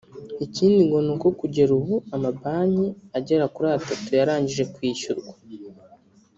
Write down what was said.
Ikindi ngo ni uko kugera ubu amabanki agera kuri atatu yarangije kwishyurwa